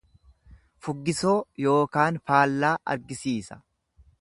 Fuggisoo yookaan faallaa argisiisa.